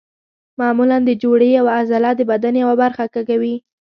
معمولا د جوړې یوه عضله د بدن یوه برخه کږوي.